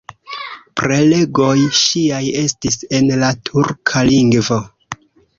Prelegoj ŝiaj estis en la turka lingvo.